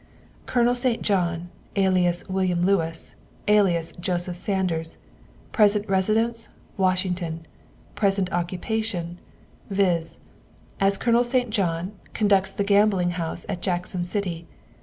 " Colonel St. John, alias William Lewis, alias Joseph Sanders. Present residence, Washington. Present occupation, viz.: " As Colonel St. John, conducts gambling house at Jackson City.